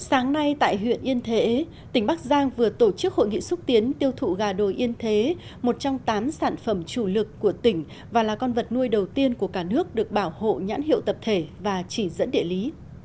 sáng nay tại huyện yên thế tỉnh bắc giang vừa tổ chức hội nghị xúc tiến tiêu thụ gà đồi yên thế một trong tám sản phẩm chủ lực của tỉnh và là con vật nuôi đầu tiên của cả nước được bảo hộ nhãn hiệu tập thể và chỉ dẫn địa lý